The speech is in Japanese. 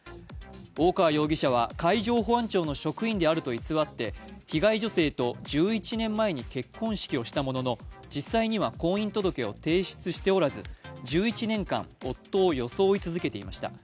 大川容疑者は海上保安庁の署員であると偽って被害女性と１１年前に結婚式をしたものの、実際には婚姻届を提出しておらず、１１年間、夫を装い続けていました。